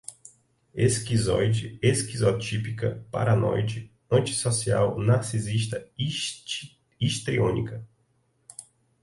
esquizoide, esquizotípica, paranoide, antissocial, narcisista, histriônica